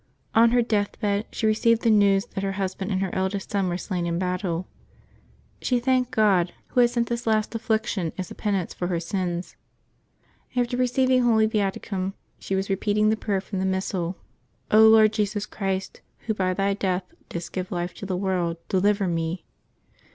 On her death bed she re ceived the news that her husband and her eldest son were slain in battle. She thanked God, Who had sent this last 214: LIVES OF THE SAINTS [June U aflBiction as a penance for her sins. After receiving Holy Viaticum, she was repeating the prayer from the Missal, *' Lord Jesus Christ, Wlio by Thy death didst give life to the world, deliver me."